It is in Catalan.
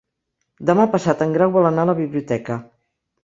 Demà passat en Grau vol anar a la biblioteca.